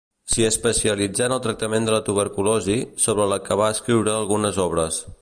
S'hi especialitzà en el tractament de la tuberculosi, sobre la que va escriure algunes obres.